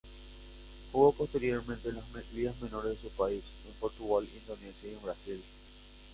Jugó posteriormente en ligas menores de su país, en Portugal, Indonesia y en Brasil.